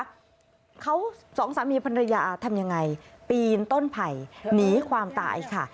เขาสองสามีภรรยาทำยังไงปีนต้นไผ่หนีความตายค่ะ